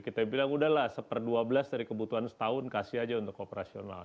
kita bilang udahlah seper dua belas dari kebutuhan setahun kasih aja untuk operasional